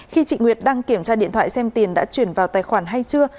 khi chị nguyệt đang kiểm tra điện thoại xem tiền đã chuyển vào tài khoản hay chưa